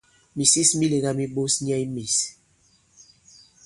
Mìsis mi lēgā mi ɓos nyɛ i mīs.